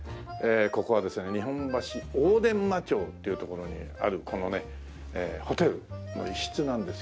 ここはですね日本橋大伝馬町っていう所にあるこのねホテルの一室なんですけど。